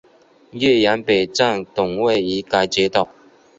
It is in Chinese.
岳阳北站等位于该街道。